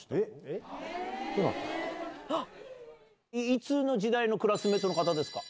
いつの時代のクラスメイトの方ですか？